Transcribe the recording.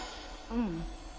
うん。